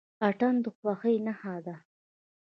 اتن د خوښۍ نښه ده.